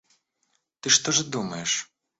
Ты что же думаешь?